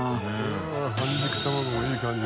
うわっ半熟卵もいい感じ。